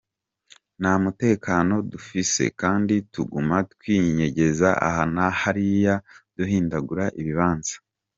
Nta mutekano dufise kandi tuguma twinyegeza aha na hariya, duhindagura ibibanza.